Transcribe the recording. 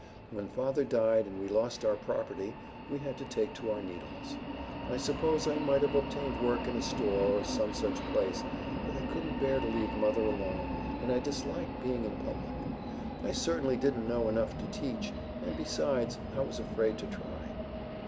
When father died and we lost our property, we had to take to our needles. I suppose I might have obtained work in a store, or some such place, but I couldn't bear to leave mother alone and I disliked being in public. I certainly didn't know enough to teach, and besides, I was afraid to try."